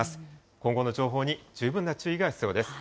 今後の情報に十分な注意が必要です。